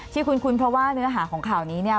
คุ้นเพราะว่าเนื้อหาของข่าวนี้เนี่ย